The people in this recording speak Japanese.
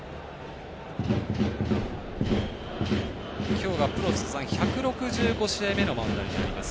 今日がプロ通算１６５試合目のマウンドになります。